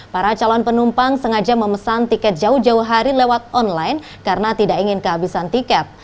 para calon penumpang sengaja memesan tiket jauh jauh hari lewat online karena tidak ingin kehabisan tiket